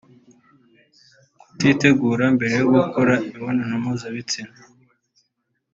Kutitegura mbere yo gukora imibonano mpuzabitsina